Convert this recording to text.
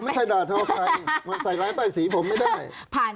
ไม่ได้ดาดทอใครมันใส่รายป้ายสีผมไม่ได้